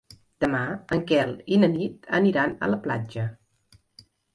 Demà en Quel i na Nit aniran a la platja.